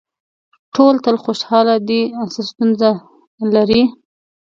ټول تل خوشاله دي څه ستونزه لري.